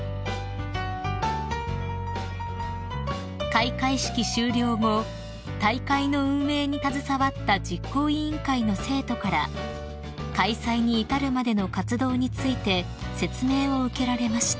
［開会式終了後大会の運営に携わった実行委員会の生徒から開催に至るまでの活動について説明を受けられました］